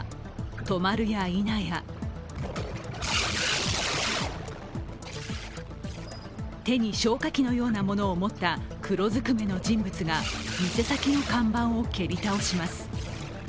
止まるやいなや手に消火器のようなものを持った黒ずくめの人物が店先の看板を蹴り倒します。